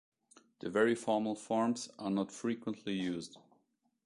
The very formal forms are not frequently used.